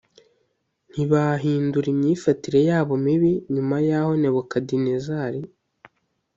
ntibahindura imyifatire yabo mibi Nyuma y aho Nebukadinezari